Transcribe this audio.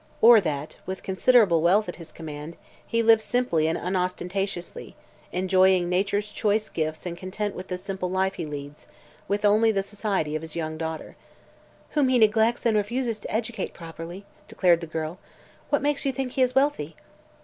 "Or that, with considerable wealth at his command, he lives simply and unostentatiously, enjoying nature's choice gifts and content with the simple life he leads, with only the society of his young daughter." "Whom he neglects and refuses to educate properly," declared the girl. "What makes you think he is wealthy?"